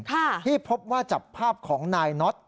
ที่พบว่าจับภาพของนายน็อต